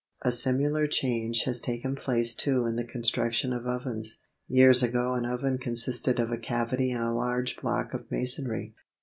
A similar change has taken place too in the construction of ovens. Years ago an oven consisted of a cavity in a large block of masonry.